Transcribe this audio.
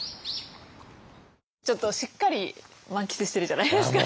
ちょっとしっかり満喫してるじゃないですか。